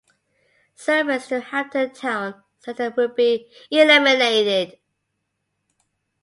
Service to Hampton Towne Centre would be eliminated.